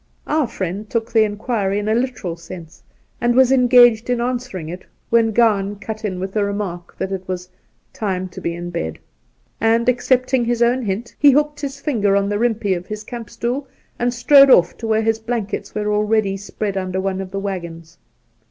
Our friend took the inquiry in a literal sense, and was engaged in answering it, when Gowan cut in with a remark that it was ' time to be in bed,' and, accepting his own hint,~he hooked his finger in the ' reimpje ' of his camp stool and strolled off to where his blankets were already spread under one of the waggons.